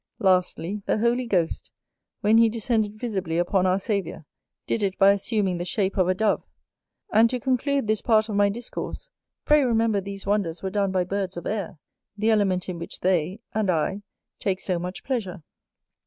Lastly, the Holy Ghost, when he descended visibly upon our Saviour, did it by assuming the shape of a Dove. And, to conclude this part of my discourse, pray remember these wonders were done by birds of air, the element in which they, and I, take so much pleasure.